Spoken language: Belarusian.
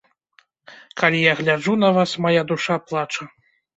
Калі я гляджу на вас, мая душа плача.